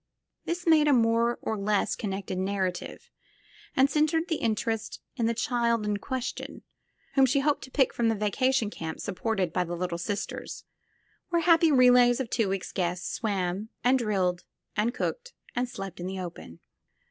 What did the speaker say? This made a more or less connected narrative and centered the interest in the child in question, whom she hoped to pick from the vacation camp supported by the Little Sisters, where happy relays of two weeks' guests swam and drilled and cooked and slept in the open.